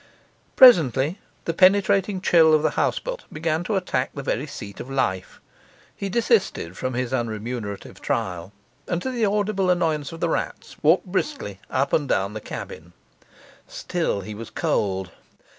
Presently the penetrating chill of the houseboat began to attack the very seat of life. He desisted from his unremunerative trial, and, to the audible annoyance of the rats, walked briskly up and down the cabin. Still he was cold.